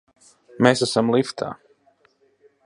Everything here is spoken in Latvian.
Mēs esam liftā!